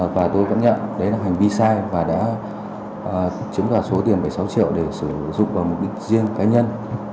và tôi vẫn nhận đấy là hành vi sai và đã chiếm đoạt số tiền bảy mươi sáu triệu để sử dụng vào mục đích riêng cá nhân